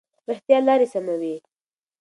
رښتیا لارې سموي.